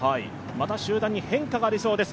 また集団に変化がありそうです。